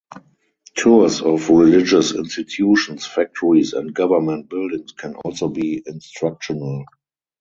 Tours of religious institutions, factories, and government buildings can also be instructional.